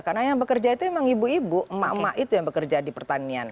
karena yang bekerja itu emang ibu ibu emak emak itu yang bekerja di pertanian